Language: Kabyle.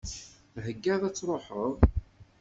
Theggaḍ ad tṛuḥeḍ?